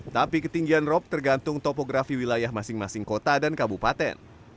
tapi ketinggian rop tergantung topografi wilayah masing masing kota dan kabupaten